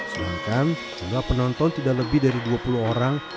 sedangkan jumlah penonton sudah lebih dari dua puluh orang